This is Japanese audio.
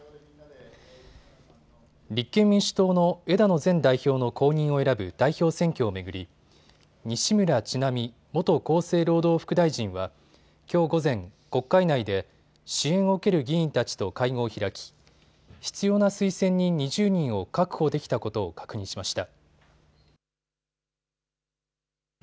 立憲民主党の枝野前代表の後任を選ぶ代表選挙を巡り西村智奈美元厚生労働副大臣はきょう午前、国会内で支援を受ける議員たちと会合を開き必要な推薦人２０人を確保できたことを確認しました。